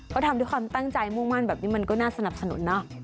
เขาทำด้วยความตั้งใจมุ่งมั่นแบบนี้มันก็น่าสนับสนุนเนอะ